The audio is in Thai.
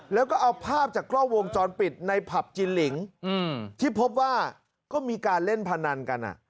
แล้วก็เอาภาพจากกล้องวงจรปิดในผับจินลิงที่พบว่าก็มีการเล่นพนันกัน